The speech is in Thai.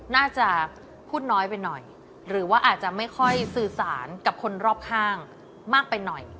น่าจะพูดน้อยไปหน่อยหรือว่าอาจจะไม่ค่อยสื่อสารกับคนรอบข้างมากไปหน่อย